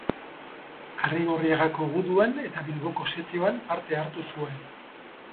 Arrigorriagako Guduan eta Bilboko setioan parte hartu zuen.